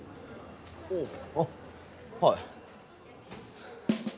あっはい。